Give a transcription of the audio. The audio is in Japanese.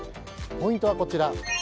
ポイントはこちら。